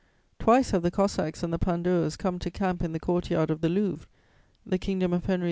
Twice have the Cossacks and the Pandoors come to camp in the court yard of the Louvre; the Kingdom of Henry IV.